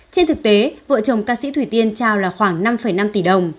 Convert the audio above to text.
trên thực tế vợ chồng ca sĩ thủy tiên trao là khoảng năm năm tỷ đồng